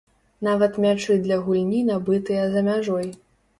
Нават мячы для гульні набытыя за мяжой.